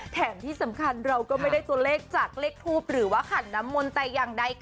แถมที่สำคัญเราก็ไม่ได้ตัวเลขจากเลขทูปหรือว่าขันน้ำมนต์แต่อย่างใดค่ะ